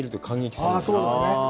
そうですね。